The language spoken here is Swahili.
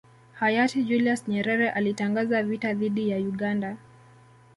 Hayati Julius Nyerere alitangaza vita dhidi ya Uganda